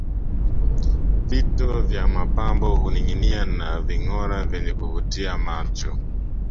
Vito vya mapambo huninginia na vingora vyenye kuvutia macho